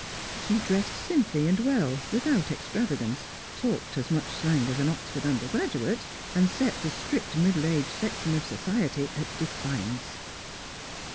She dressed simply and well, without extravagance, talked as much slang as an Oxford under graduate, and set the strict middle aged section of society at defiance.